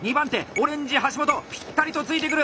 オレンジ橋本ぴったりとついてくる！